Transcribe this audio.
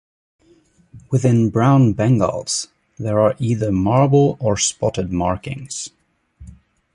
Within brown Bengals, there are either marble or spotted markings.